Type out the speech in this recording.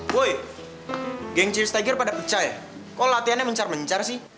woy geng ciri stegir pada pecah ya kok latihannya mencar mencar sih